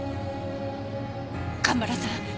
蒲原さん